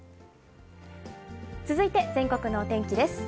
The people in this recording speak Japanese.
続いて全国のお天気です。